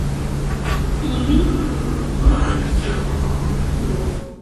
Ili okupiĝis pri agrikulturo.